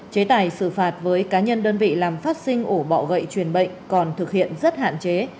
chế tài xử phạt với cá nhân đơn vị làm phát sinh ổ bọ gậy truyền bệnh còn thực hiện rất hạn chế